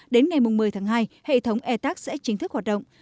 đến ngày một mươi tháng hai hệ thống etax sẽ chính thức hoạt động